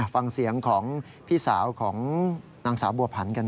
ฟังเสียงของพี่สาวของนางสาวบัวผันกัน